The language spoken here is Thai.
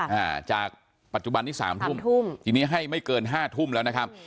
อ่าจากปัจจุบันนี้สามทุ่มทุ่มทีนี้ให้ไม่เกินห้าทุ่มแล้วนะครับ